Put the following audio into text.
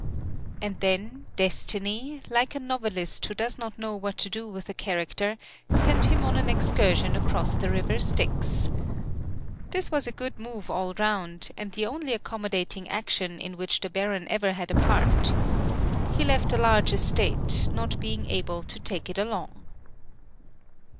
And then Destiny, like a novelist who does not know what to do with a character, sent him on an excursion across the River Styx. This was a good move all round, and the only accommodating action in which the Baron ever had a part. He left a large estate, not being able to take it along.